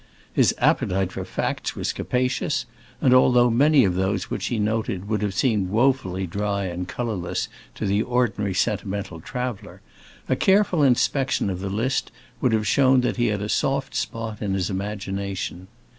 His appetite for facts was capacious, and although many of those which he noted would have seemed woefully dry and colorless to the ordinary sentimental traveler, a careful inspection of the list would have shown that he had a soft spot in his imagination.